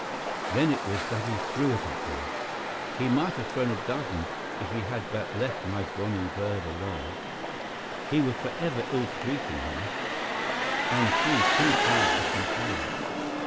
Then it was that he threw it at me. He might have thrown a dozen if he had but left my bonny bird alone. He was forever ill treating her, and she too proud to complain.